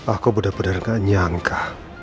aku benar benar gak nyangka